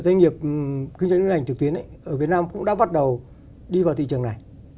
các doanh nghiệp kinh doanh kinh doanh trực tuyến ở việt nam cũng đã bắt đầu đi vào thị trường này